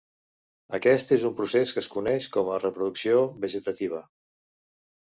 Aquest és un procés que es coneix com a reproducció vegetativa.